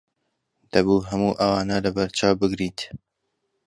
دەبوو هەموو ئەوانە لەبەرچاو بگریت.